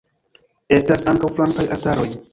Estas ankaŭ flankaj altaroj.